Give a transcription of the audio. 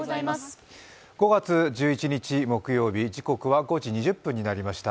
５月１１日木曜日時刻は５時２０分になりました。